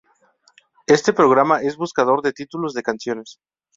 Este programa es un buscador de títulos de canciones.